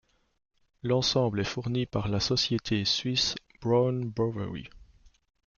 L'ensemble est fourni par la Société suisse Brown-Boveri.